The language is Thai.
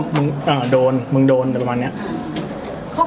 ข้อความของนั้นทำให้เรารู้สึกยังไงบ้าง